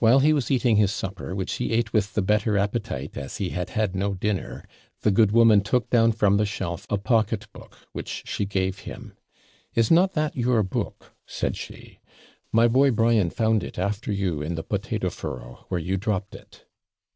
While he was eating his supper, which he ate with the better appetite, as he had had no dinner, the good woman took down from the shelf a pocket book, which she gave him: 'Is not that your book?' said she. 'My boy Brian found it after you in the potato furrow, where you dropped it.'